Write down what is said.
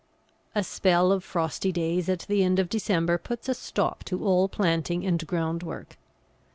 _)] A spell of frosty days at the end of December puts a stop to all planting and ground work.